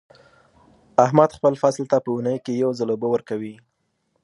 احمد خپل فصل ته په اونۍ کې یو ځل اوبه ورکوي.